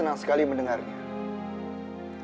minta tolong kan gak perlu